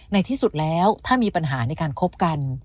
ในที่สุดแล้วถ้ามีปัญหาในการคบกัน